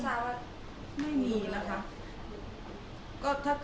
เขาถึงได้ดูดีเขาหายไปทั้งที่เขาทราบว่า